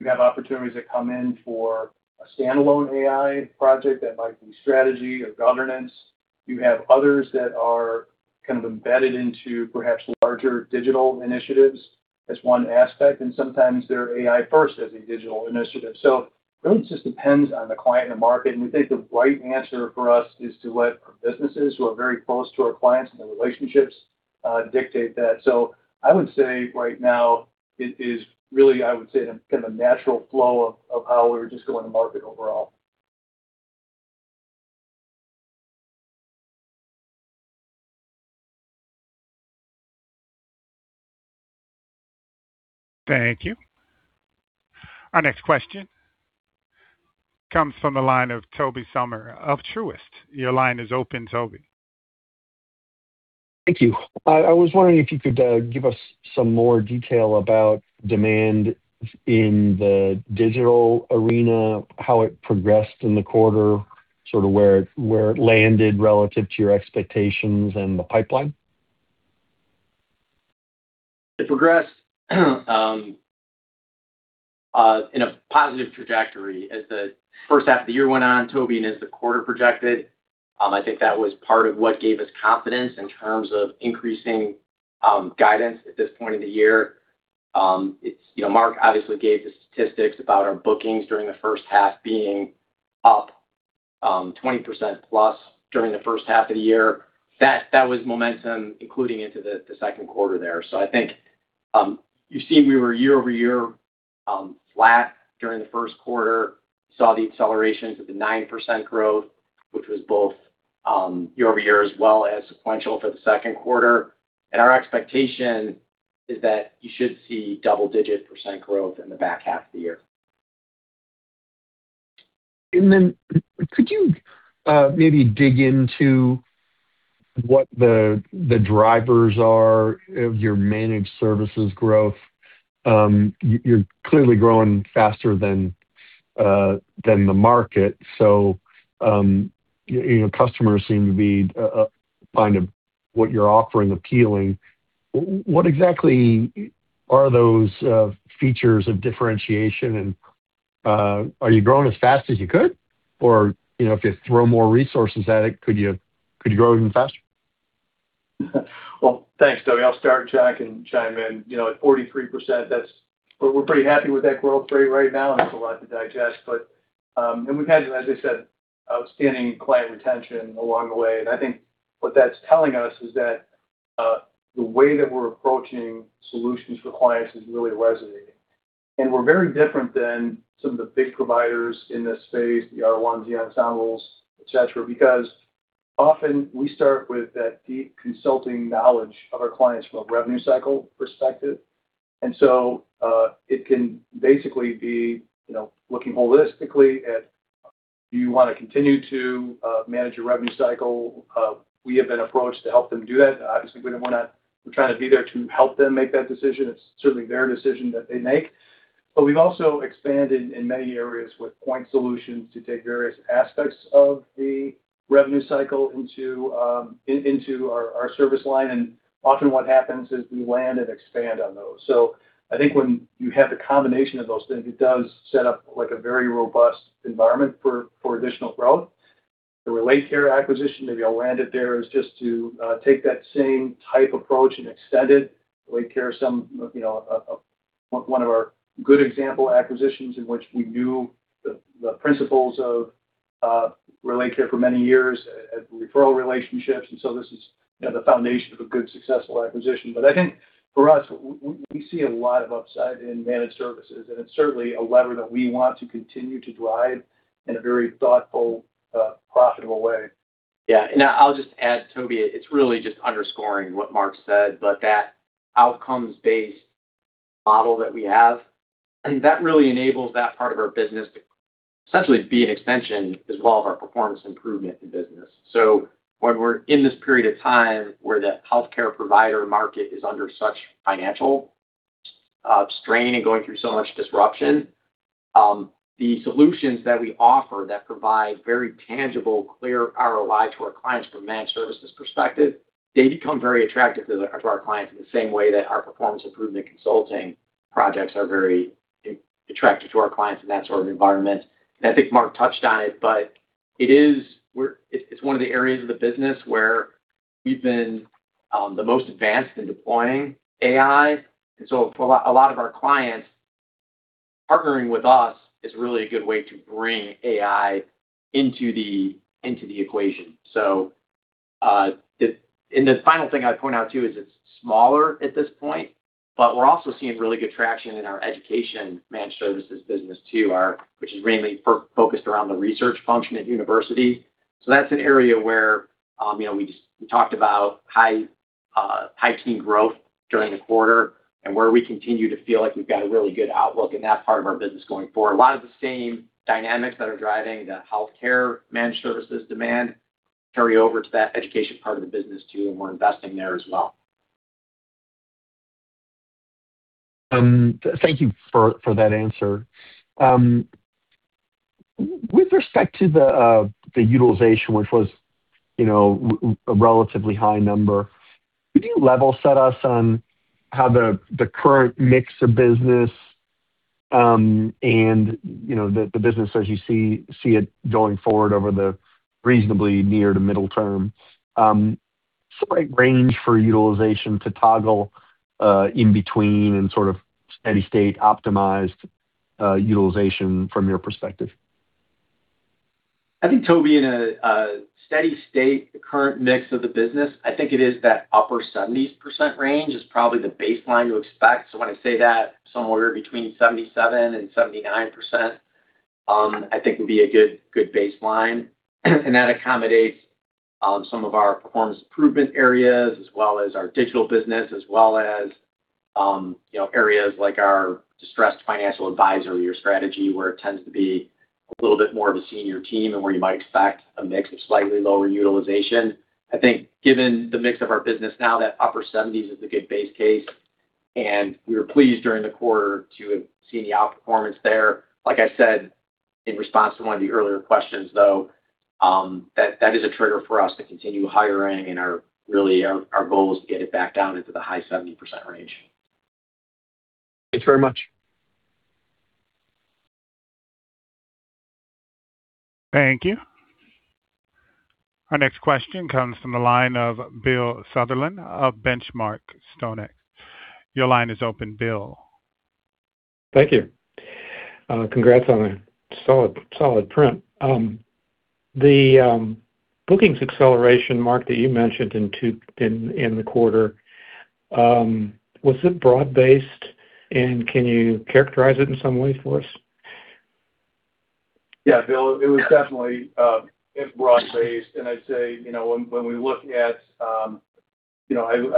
you have opportunities that come in for a standalone AI project that might be strategy or governance. You have others that are kind of embedded into perhaps larger digital initiatives as one aspect, and sometimes they're AI first as a digital initiative. Really, it just depends on the client and the market. We think the right answer for us is to let our businesses, who are very close to our clients and the relationships, dictate that. I would say right now it is really, I would say, kind of a natural flow of how we're just going to market overall. Thank you. Our next question comes from the line of Tobey Sommer of Truist. Your line is open, Tobey. Thank you. I was wondering if you could give us some more detail about demand in the digital arena, how it progressed in the quarter, sort of where it landed relative to your expectations and the pipeline. It progressed in a positive trajectory as the first half of the year went on, Tobey, and as the quarter projected. I think that was part of what gave us confidence in terms of increasing guidance at this point of the year. Mark obviously gave the statistics about our bookings during the first half being up 20%+ during the first half of the year. That was momentum including into the second quarter there. I think, you've seen we were year-over-year flat during the first quarter. Saw the accelerations of the 9% growth, which was both year-over-year as well as sequential for the second quarter. Our expectation is that you should see double-digit % growth in the back half of the year. Could you maybe dig into what the drivers are of your managed services growth? You're clearly growing faster than the market. Customers seem to be finding what you're offering appealing. What exactly are those features of differentiation? Are you growing as fast as you could? If you throw more resources at it, could you grow even faster? Well, thanks, Tobey. I'll start, John can chime in. At 43%, we're pretty happy with that growth rate right now, and it's a lot to digest. We've had, as I said, outstanding client retention along the way. I think what that's telling us is that the way that we're approaching solutions for clients is really resonating. We're very different than some of the big providers in this space, the R1s, the Ensembles, et cetera, because often we start with that deep consulting knowledge of our clients from a revenue cycle perspective. So, it can basically be looking holistically at do you want to continue to manage your revenue cycle? We have been approached to help them do that. Obviously, we're trying to be there to help them make that decision. It's certainly their decision that they make. We've also expanded in many areas with point solutions to take various aspects of the revenue cycle into our service line, and often what happens is we land and expand on those. I think when you have the combination of those things, it does set up like a very robust environment for additional growth. The RelateCare acquisition, maybe I'll land it there, is just to take that same type approach and extend it. RelateCare is one of our good example acquisitions in which we knew the principles of RelateCare for many years, referral relationships, and so this is the foundation of a good, successful acquisition. I think for us, we see a lot of upside in managed services, and it's certainly a lever that we want to continue to drive in a very thoughtful, profitable way. Yeah, and I'll just add, Tobey, it's really just underscoring what Mark said, but that outcomes-based model that we have, and that really enables that part of our business to essentially be an extension as well of our performance improvement in business. So when we're in this period of time where the healthcare provider market is under such financial strain and going through so much disruption, the solutions that we offer that provide very tangible, clear ROI to our clients from a managed services perspective, they become very attractive to our clients in the same way that our performance improvement consulting projects are very attractive to our clients in that sort of environment. I think Mark touched on it, but it's one of the areas of the business where we've been the most advanced in deploying AI. For a lot of our clients, partnering with us is really a good way to bring AI into the equation. The final thing I'd point out, too, is it's smaller at this point, but we're also seeing really good traction in our education managed services business, too, which is mainly focused around the research function at university. That's an area where we talked about high teen growth during the quarter and where we continue to feel like we've got a really good outlook in that part of our business going forward. A lot of the same dynamics that are driving the healthcare managed services demand carry over to that education part of the business, too, and we're investing there as well. Thank you for that answer. With respect to the utilization, which was a relatively high number, could you level set us on how the current mix of business, and the business as you see it going forward over the reasonably near to middle term, range for utilization to toggle in between and sort of steady state optimized utilization from your perspective? I think, Tobey, in a steady state, the current mix of the business, I think it is that upper 70% range is probably the baseline to expect. When I say that, somewhere between 77% and 79% I think would be a good baseline and that accommodates some of our performance improvement areas as well as our digital business as well as areas like our distressed financial advisory or strategy, where it tends to be a little bit more of a senior team and where you might expect a mix of slightly lower utilization. I think given the mix of our business now, that upper 70s is a good base case, and we were pleased during the quarter to have seen the outperformance there. Like I said, in response to one of the earlier questions, though, that is a trigger for us to continue hiring, really our goal is to get it back down into the high 70% range. Thanks very much. Thank you. Our next question comes from the line of Bill Sutherland of Benchmark. Your line is open, Bill. Thank you. Congrats on a solid print. The bookings acceleration, Mark, that you mentioned in the quarter, was it broad-based, and can you characterize it in some way for us? Yeah, Bill, it was definitely broad-based, and I'd say,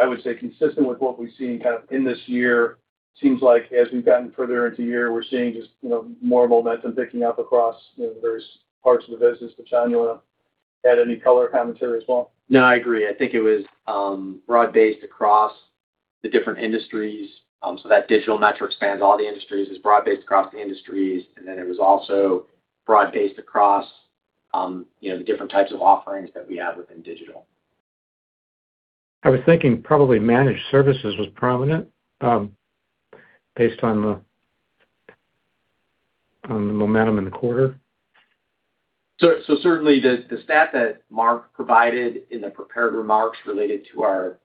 I would say consistent with what we've seen kind of in this year, seems like as we've gotten further into the year, we're seeing just more momentum picking up across various parts of the business. John, you want to add any color or commentary as well? I agree. I think it was broad-based across the different industries. That digital metric spans all the industries. It was broad-based across the industries, it was also broad-based across the different types of offerings that we have within digital. I was thinking probably managed services was prominent, based on the momentum in the quarter. Certainly, the stat that Mark provided in the prepared remarks related to our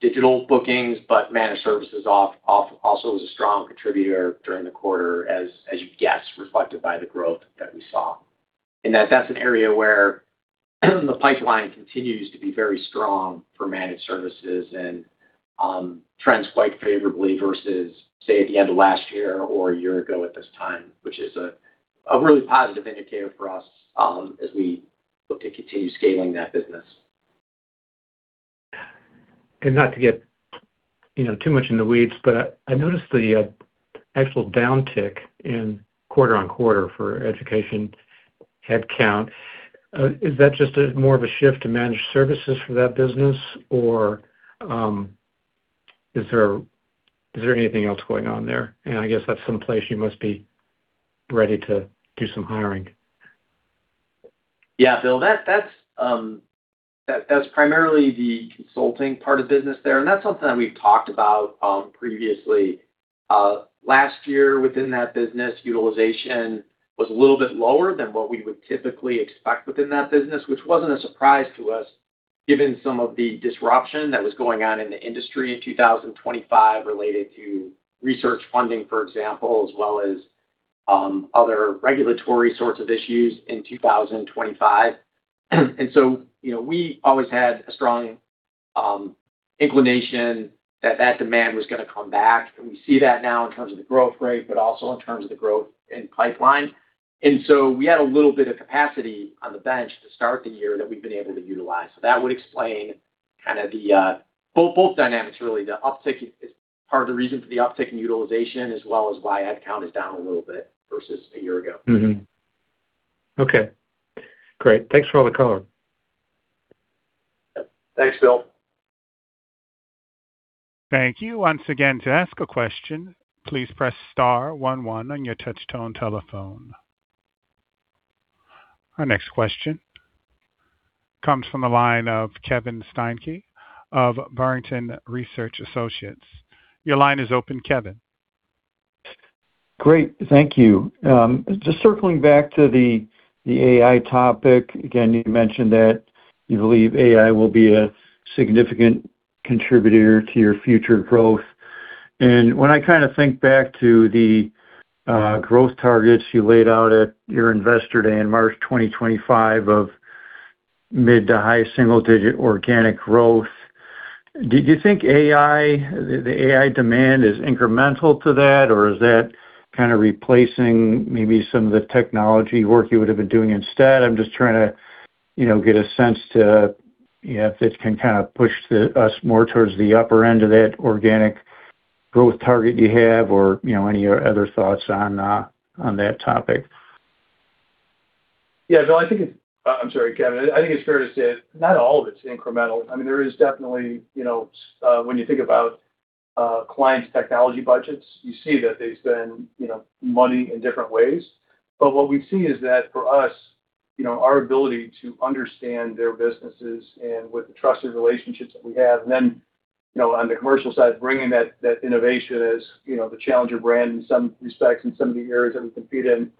digital bookings. Managed services also was a strong contributor during the quarter as you'd guess, reflected by the growth that we saw. That's an area where the pipeline continues to be very strong for managed services and trends quite favorably versus, say, at the end of last year or a year ago at this time, which is a really positive indicator for us as we look to continue scaling that business. Not to get too much in the weeds. I noticed the actual downtick in quarter-on-quarter for education headcount. Is that just more of a shift to managed services for that business, or is there anything else going on there? I guess that's someplace you must be ready to do some hiring. Yeah, Bill, that's primarily the consulting part of business there. That's something that we've talked about previously. Last year within that business, utilization was a little bit lower than what we would typically expect within that business, which wasn't a surprise to us given some of the disruption that was going on in the industry in 2025 related to research funding, for example, as well as other regulatory sorts of issues in 2025. We always had a strong inclination that that demand was going to come back. We see that now in terms of the growth rate. Also in terms of the growth in pipeline. We had a little bit of capacity on the bench to start the year that we've been able to utilize. That would explain both dynamics, really. The uptick is part of the reason for the uptick in utilization as well as why headcount is down a little bit versus a year ago. Okay, great. Thanks for all the color. Thanks, Bill. Thank you. Once again, to ask a question, please press star one one on your touch-tone telephone. Our next question comes from the line of Kevin Steinke of Barrington Research Associates. Your line is open, Kevin. Great. Thank you. When I think back to the AI topic, again, you mentioned that you believe AI will be a significant contributor to your future growth. When I think back to the growth targets you laid out at your Investor Day in March 2025 of mid to high single-digit organic growth, do you think the AI demand is incremental to that, or is that kind of replacing maybe some of the technology work you would've been doing instead? I'm just trying to get a sense to if this can kind of push us more towards the upper end of that organic growth target you have or any other thoughts on that topic. Yeah, Bill, I'm sorry, Kevin. I think it's fair to say not all of it's incremental. There is definitely, when you think about clients' technology budgets, you see that they spend money in different ways. What we see is that for us, our ability to understand their businesses and with the trusted relationships that we have, and then, on the commercial side, bringing that innovation as the challenger brand in some respects in some of the areas that we compete in,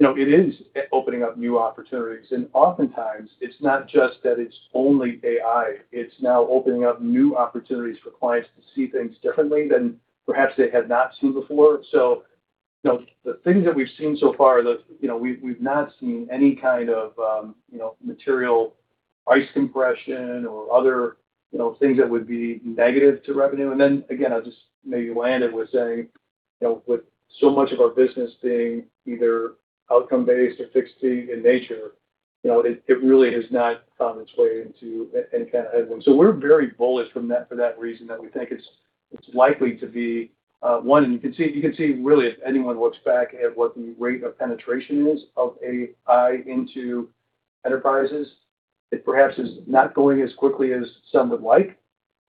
it is opening up new opportunities. Oftentimes it's not just that it's only AI, it's now opening up new opportunities for clients to see things differently than perhaps they had not seen before. The things that we've seen so far, we've not seen any kind of material price compression or other things that would be negative to revenue. Again, I'll just maybe land it with saying with so much of our business being either outcome-based or fixed fee in nature, it really has not found its way into any kind of headwind. We're very bullish for that reason, that we think it's likely to be one. You can see, really, if anyone looks back at what the rate of penetration is of AI into enterprises, it perhaps is not going as quickly as some would like.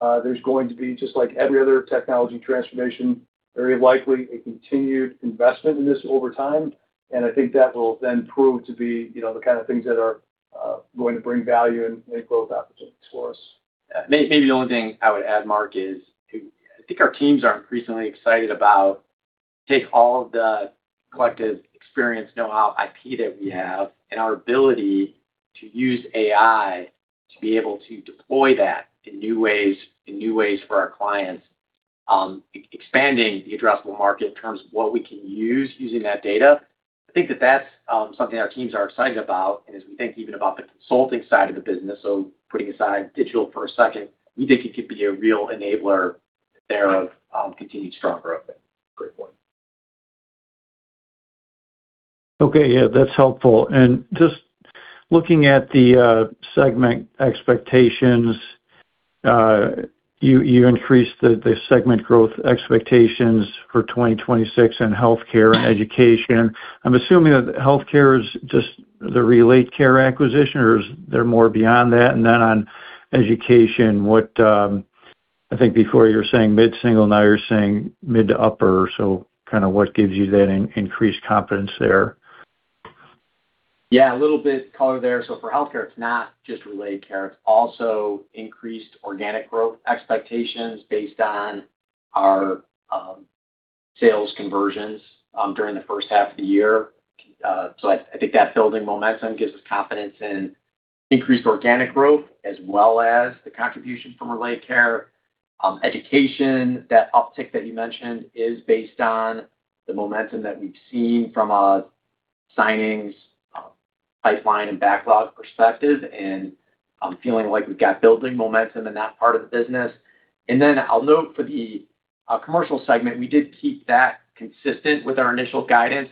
There's going to be, just like every other technology transformation, very likely a continued investment in this over time. I think that will then prove to be the kind of things that are going to bring value and growth opportunities for us. Maybe the only thing I would add, Mark, is I think our teams are increasingly excited about take all of the collective experience, know-how, IP that we have, and our ability to use AI to be able to deploy that in new ways for our clients, expanding the addressable market in terms of what we can use using that data. I think that that's something our teams are excited about. As we think even about the consulting side of the business, so putting aside digital for a second, we think it could be a real enabler thereof, continued strong growth. Great point. Okay. Yeah, that's helpful. Just looking at the segment expectations, you increased the segment growth expectations for 2026 in Healthcare and Education. I'm assuming that Healthcare is just the RelateCare acquisition, or is there more beyond that? Then on Education, I think before you were saying mid-single, now you're saying mid to upper. What gives you that increased confidence there? Yeah. A little bit color there. For Healthcare, it's not just RelateCare. It's also increased organic growth expectations based on our sales conversions during the first half of the year. I think that building momentum gives us confidence in increased organic growth as well as the contribution from RelateCare. Education, that uptick that you mentioned is based on the momentum that we've seen from a signings pipeline and backlog perspective, and feeling like we've got building momentum in that part of the business. Then I'll note for the Commercial segment, we did keep that consistent with our initial guidance.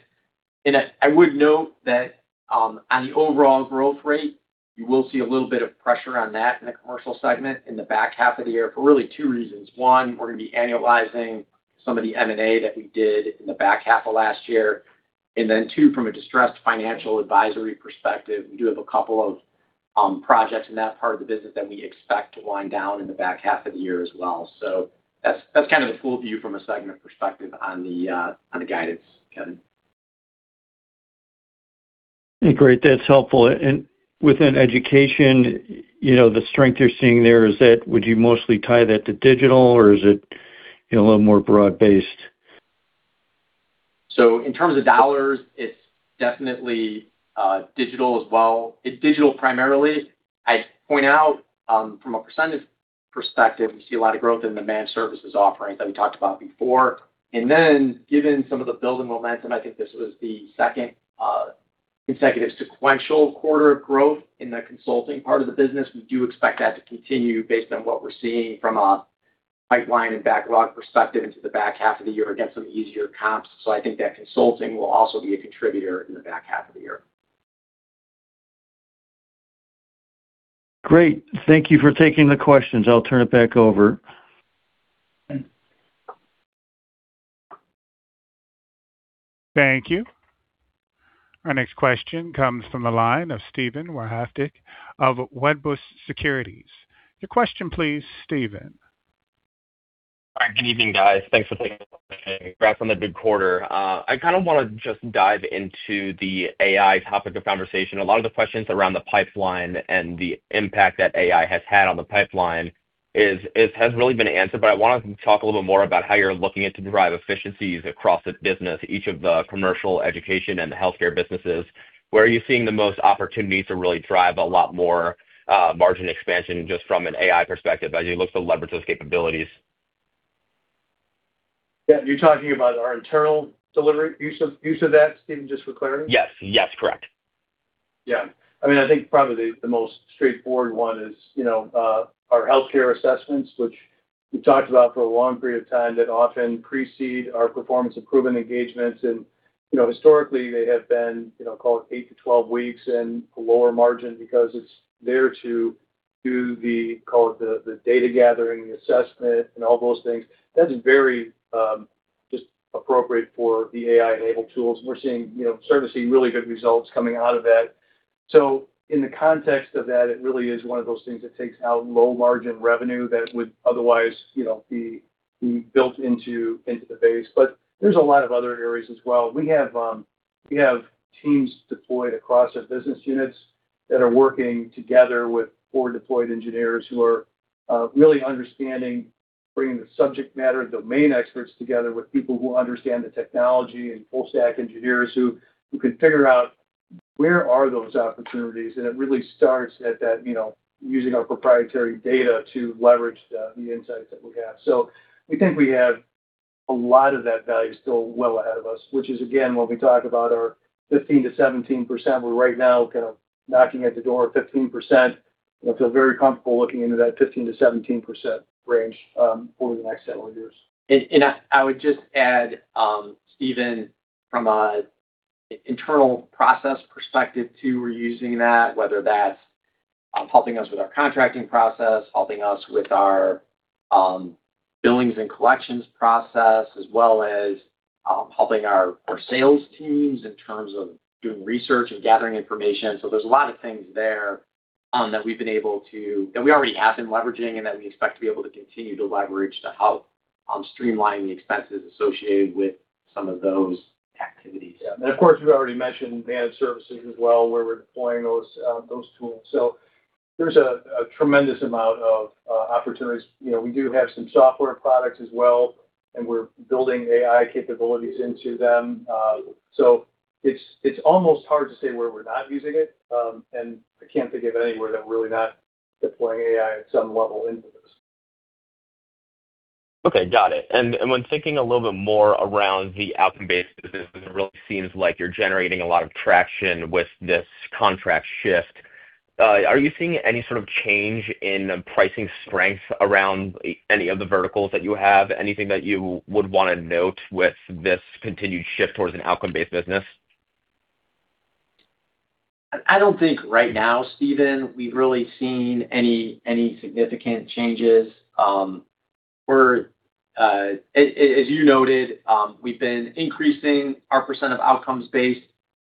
I would note that on the overall growth rate, you will see a little bit of pressure on that in the Commercial segment in the back half of the year for really two reasons. One, we're going to be annualizing some of the M&A that we did in the back half of last year. Then two, from a distressed financial advisory perspective, we do have a couple of projects in that part of the business that we expect to wind down in the back half of the year as well. That's the full view from a segment perspective on the guidance, Kevin. Great. That's helpful. Within Education, the strength you're seeing there, would you mostly tie that to digital, or is it a little more broad-based? In terms of dollars, it's definitely digital as well. It's digital primarily. I'd point out, from a percentage perspective, we see a lot of growth in the managed services offerings that we talked about before. Given some of the building momentum, I think this was the second consecutive sequential quarter of growth in the consulting part of the business. We do expect that to continue based on what we're seeing from a pipeline and backlog perspective into the back half of the year against some easier comps. I think that consulting will also be a contributor in the back half of the year. Great. Thank you for taking the questions. I'll turn it back over. Thank you. Our next question comes from the line of Steven Wahrhaftig of Wedbush Securities. Your question, please, Steven. Good evening, guys. Thanks for taking. Congrats on the big quarter. I kind of want to just dive into the AI topic of conversation. A lot of the questions around the pipeline and the impact that AI has had on the pipeline has really been answered, I want to talk a little bit more about how you're looking to drive efficiencies across the business, each of the Commercial, Education and the Healthcare businesses. Where are you seeing the most opportunity to really drive a lot more margin expansion, just from an AI perspective, as you look to leverage those capabilities? You're talking about our internal delivery use of that, Steven, just for clarity? Yes. Correct. I think probably the most straightforward one is our healthcare assessments, which we've talked about for a long period of time, that often precede our performance improvement engagements. Historically, they have been, call it eight to 12 weeks and a lower margin because it's there to do the data gathering assessment and all those things. That's very just appropriate for the AI-enabled tools. We're starting to see really good results coming out of that. In the context of that, it really is one of those things that takes out low margin revenue that would otherwise be built into the base. There's a lot of other areas as well. We have teams deployed across our business units that are working together with four deployed engineers who are really understanding, bringing the subject matter domain experts together with people who understand the technology and full stack engineers who can figure out where are those opportunities. It really starts at that using our proprietary data to leverage the insights that we have. We think we have. A lot of that value is still well ahead of us, which is again, when we talk about our 15%-17%, we're right now kind of knocking at the door of 15%, and I feel very comfortable looking into that 15%-17% range over the next several years. I would just add, Steven, from an internal process perspective too, we're using that, whether that's helping us with our contracting process, helping us with our billings and collections process, as well as helping our sales teams in terms of doing research and gathering information. There's a lot of things there that we've been able to, and we already have been leveraging and that we expect to be able to continue to leverage to help streamline the expenses associated with some of those activities. Of course, we've already mentioned managed services as well, where we're deploying those tools. There's a tremendous amount of opportunities. We do have some software products as well, and we're building AI capabilities into them. It's almost hard to say where we're not using it. I can't think of anywhere that we're really not deploying AI at some level into this. Okay, got it. When thinking a little bit more around the outcome-based business, it really seems like you're generating a lot of traction with this contract shift. Are you seeing any sort of change in pricing strength around any of the verticals that you have? Anything that you would want to note with this continued shift towards an outcome-based business? I don't think right now, Steven, we've really seen any significant changes. As you noted, we've been increasing our percent of outcomes-based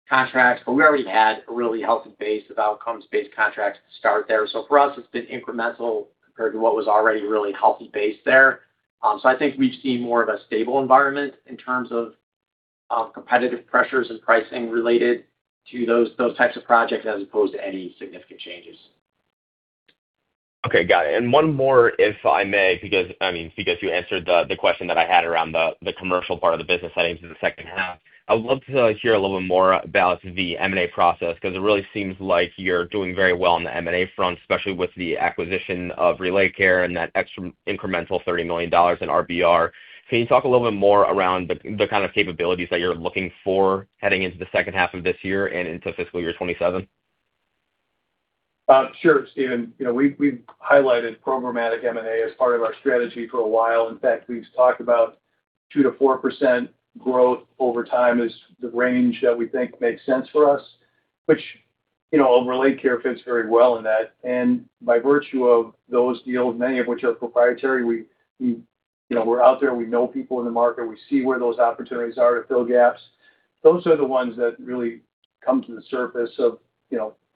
contracts, but we already had a really healthy base of outcomes-based contracts to start there. For us, it's been incremental compared to what was already a really healthy base there. I think we've seen more of a stable environment in terms of competitive pressures and pricing related to those types of projects as opposed to any significant changes. Okay, got it. One more, if I may, because you answered the question that I had around the commercial part of the business heading into the second half. I would love to hear a little bit more about the M&A process, because it really seems like you're doing very well on the M&A front, especially with the acquisition of RelateCare and that extra incremental $30 million in RBR. Can you talk a little bit more around the kind of capabilities that you're looking for heading into the second half of this year and into fiscal year 2027? Sure, Steven. We've highlighted programmatic M&A as part of our strategy for a while. In fact, we've talked about 2%-4% growth over time as the range that we think makes sense for us, which RelateCare fits very well in that. By virtue of those deals, many of which are proprietary, we're out there, we know people in the market, we see where those opportunities are to fill gaps. Those are the ones that really come to the surface of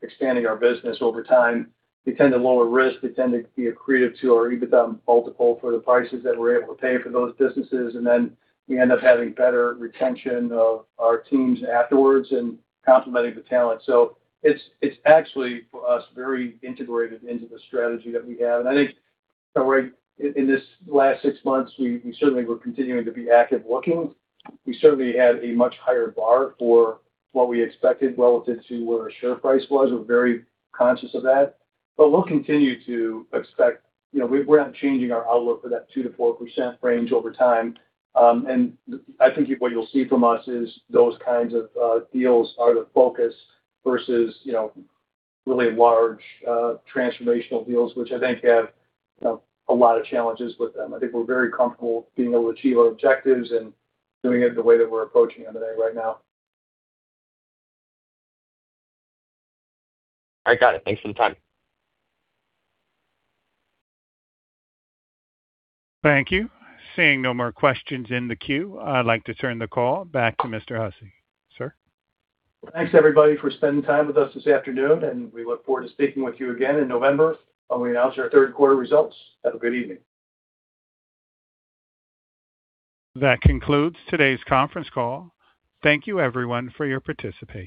expanding our business over time. They tend to lower risk. They tend to be accretive to our EBITDA multiple for the prices that we're able to pay for those businesses. Then we end up having better retention of our teams afterwards and complementing the talent. It's actually, for us, very integrated into the strategy that we have. I think in this last six months, we certainly were continuing to be active looking. We certainly had a much higher bar for what we expected relative to where our share price was. We're very conscious of that. We'll continue to expect. We're not changing our outlook for that 2%-4% range over time. I think what you'll see from us is those kinds of deals are the focus versus really large transformational deals, which I think have a lot of challenges with them. I think we're very comfortable being able to achieve our objectives and doing it the way that we're approaching M&A right now. All right. Got it. Thanks for the time. Thank you. Seeing no more questions in the queue, I'd like to turn the call back to Mr. Hussey, sir. Well, thanks everybody for spending time with us this afternoon, and we look forward to speaking with you again in November when we announce our third-quarter results. Have a good evening. That concludes today's conference call. Thank you everyone for your participation.